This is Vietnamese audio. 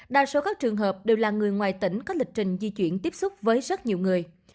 đa số các trường hợp đều là người ngoài tỉnh có lịch trình di chuyển tiếp xúc với rất nhiều người